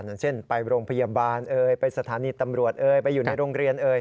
อย่างเช่นไปโรงพยาบาลไปสถานีตำรวจเอ่ยไปอยู่ในโรงเรียนเอ่ย